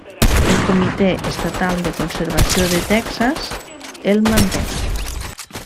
El Comitè Estatal de Conservació de Texas el manté.